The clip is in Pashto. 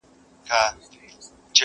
کۀ تاته ياد سي پۀ خبرو بۀ مو شپه وهله،